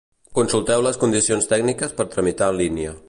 Consulteu les condicions tècniques per tramitar en línia.